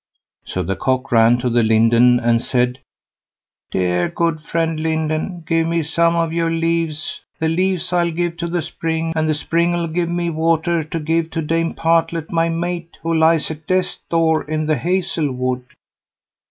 So the Cock ran to the Linden, and said: "Dear good friend Linden, give me some of your leaves, the leaves I'll give to the Spring, and the Spring'll give me water to give to Dame Partlet my mate, who lies at death's door in the hazel wood."